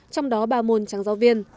trong đó ba môn trắng giáo viên